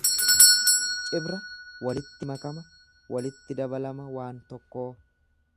Cibra walitti makama, walitti dabalama waan tokkoo.